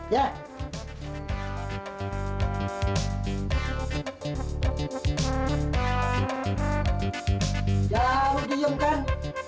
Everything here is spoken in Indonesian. jangan lu diem ken